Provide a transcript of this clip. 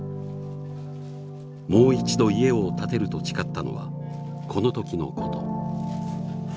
もう一度家を建てると誓ったのはこのときのこと。